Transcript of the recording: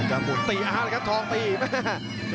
ะ่าาาา